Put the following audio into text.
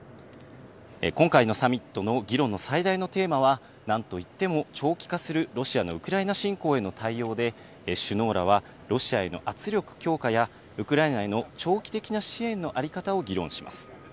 今回のサミットの議論の最大のテーマは、なんといっても長期化するロシアのウクライナ侵攻への対応で、首脳らはロシアへの圧力強化やウクライナへの長期的な支援の在り方を議論します。